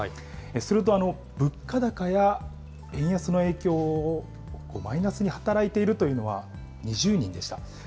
すると、物価高や円安の影響がマイナスに働いているというのは２０人でした。